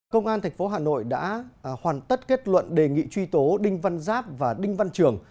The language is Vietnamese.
công an tp hà nội đã hoàn tất kết luận đề nghị truy tố đinh văn giáp và đinh văn trường